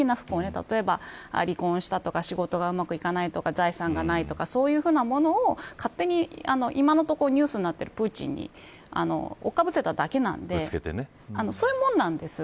例えば離婚したとか仕事がうまくいかないとか財産がないとかそういうものを勝手に今のところニュースになっているプーチンにかぶせただけなんでそういうもんなんです。